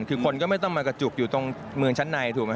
คือคนก็ไม่ต้องมากระจุกอยู่ตรงเมืองชั้นในถูกไหม